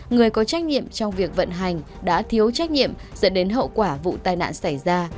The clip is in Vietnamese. người có trách nhiệm trong việc vận hành đã thiếu trách nhiệm dẫn đến hậu quả vụ tai nạn xảy ra